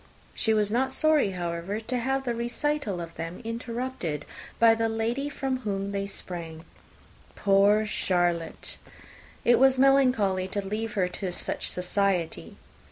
She was not sorry, however, to have the recital of them interrupted by the entrance of the lady from whom they sprang. Poor Charlotte! it was melancholy to leave her to such society!